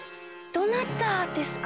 どなたですか？